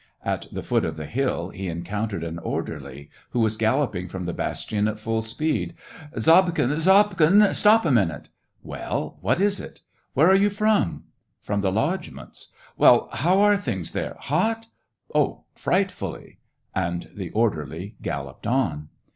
At the foot of the hill he encountered an orderly, who was gal loping from the bastion at full speed. Zobkin ! Zobkin ! Stop a minute !"" Well, what is it 1 "" Where are you from }'*" From the lodgements." " Well, how are things there ! Hot }'* Ah, frightfully!" And the orderly galloped on.